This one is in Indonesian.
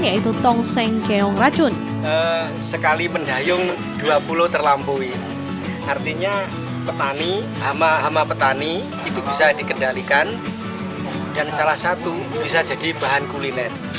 yaitu tongseng keong racun